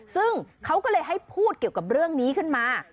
ซึ่งเขาก็เลยให้พูดเกี่ยวกับเรื่องนี้ขึ้นมา